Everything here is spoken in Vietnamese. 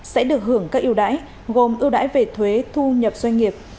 sẽ được hưởng các ưu đãi gồm ưu đãi về thuế thu nhập doanh nghiệp